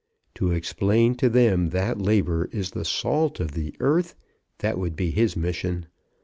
To explain to them that labour is the salt of the earth; that would be his mission.